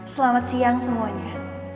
selamat siang semuanya